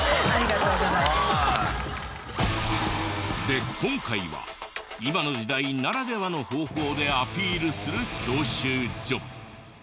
で今回は今の時代ならではの方法でアピールする教習所。